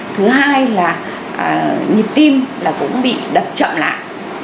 thứ hai là nhịp tim cũng bị đập chậm lại